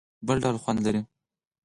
بل ډول خوند دی.